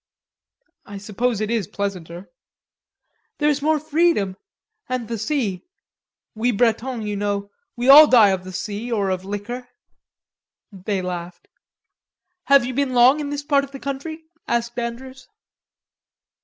"I suppose it is pleasanter." "There's more freedom. And the sea.... We Bretons, you know, we all die of the sea or of liquor." They laughed. "Have you been long in this part of the country?" asked Andrews.